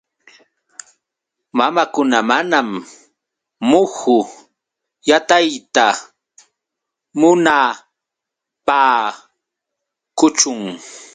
Mamakuna manam muhu yatayta munaapaakuchun.